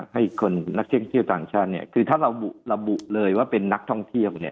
ให้คนนักท่องเที่ยวต่างชาติเนี่ยคือถ้าระบุเลยว่าเป็นนักท่องเที่ยวเนี่ย